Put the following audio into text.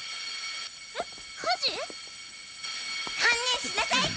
えっ！